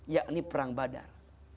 yakni perang badar